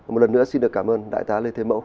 một lần nữa xin được cảm ơn đại tá lê thế mẫu